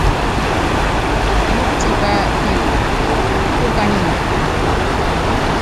Elúkú tipá pimbukɔ, púkukányinɛ aatukɔ.